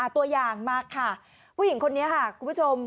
ตัวอย่างมาค่ะผู้หญิงคนนี้ค่ะคุณผู้ชม